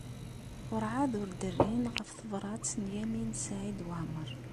Werɛad ur d-rrin ɣef tebṛat n Lyamin n Saɛid Waɛmeṛ.